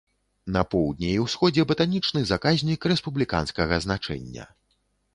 На поўдні і ўсходзе батанічны заказнік рэспубліканскага значэння.